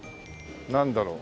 なんだろう？